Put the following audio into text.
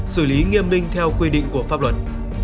xử lý nghiêm minh theo quy định của pháp luật